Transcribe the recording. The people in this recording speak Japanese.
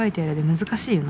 難しいね。